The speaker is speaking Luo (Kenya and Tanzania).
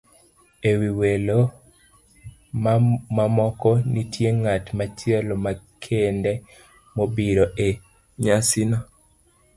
E wi welo mamoko, nitie ng'at machielo makende mobiro e nyasino.